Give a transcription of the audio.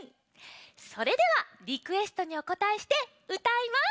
それではリクエストにおこたえしてうたいます。